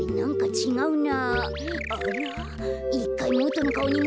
ちがうな。